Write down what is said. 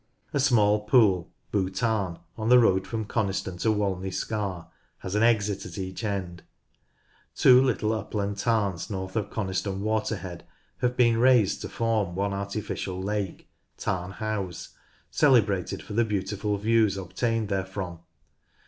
A small pool, Boo Tarn, on the road from Coniston to Walney Scar, has an exit at each end. Two little upland tarns north of Coniston Waterhead have been raised to form one artificial lake, Tarn Howes, celebrated for the beautiful views obtained therefrom.